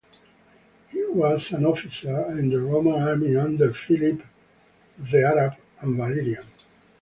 He was an officer in the Roman army under Philip the Arab and Valerian.